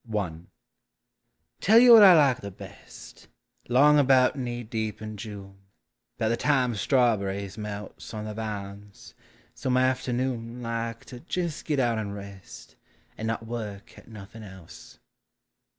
i. Tell you what I like the best — 'Long about knee deep in June, 'Bout the time strawberries melts On the vines — some afternoon THE SEASONS. 109 Like to jes' git out and rest, And not work at nothin' else!